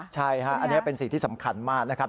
ใช่ฮะอันนี้เป็นสิ่งที่สำคัญมากนะครับ